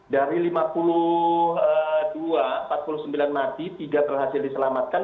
dari lima puluh dua empat puluh sembilan mati tiga berhasil diselamatkan